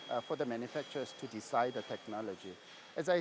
untuk pembuat untuk memutuskan teknologi